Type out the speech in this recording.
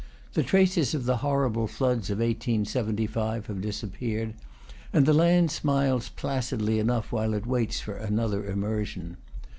The traces of the horrible floods of 1875 have dis appeared, and the land smiles placidly enough while it waits for another immersion.